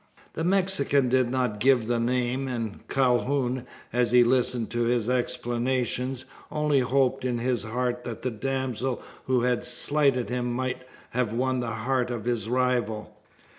The Mexican did not give the name; and Calhoun, as he listened to his explanations, only hoped in his heart that the damsel who had slighted him might have won the heart of his rival.